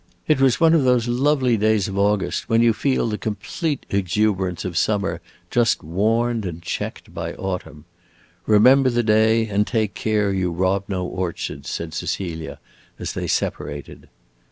It was one of those lovely days of August when you feel the complete exuberance of summer just warned and checked by autumn. "Remember the day, and take care you rob no orchards," said Cecilia, as they separated.